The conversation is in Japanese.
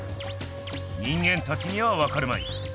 人間たちにはわかるまい。